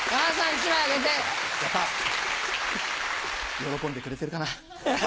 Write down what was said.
喜んでくれてるかな？